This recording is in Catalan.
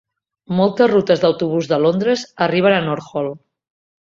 Moltes rutes d'autobús de Londres arriben a Northolt.